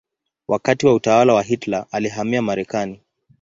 Wakati wa utawala wa Hitler alihamia Marekani.